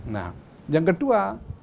nah yang kedua